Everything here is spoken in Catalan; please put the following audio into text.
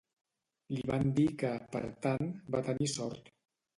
Li van dir que, per tant, va tenir sort.